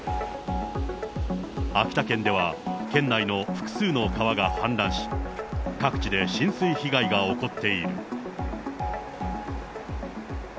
秋田県では県内の複数の川が氾濫し、各地で浸水被害が起こっている。